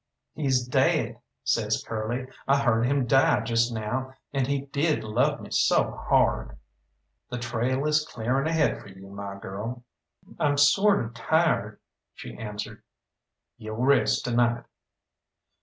"He's daid," says Curly. "I heard him die just now, and he did love me so hard." "The trail is clearing ahead for you, my girl." "I'm sort of tired," she answered. "You'll rest to night."